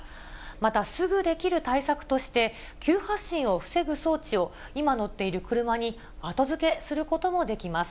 また、すぐできる対策として、急発進を防ぐ装置を今乗っている車に後付けすることもできます。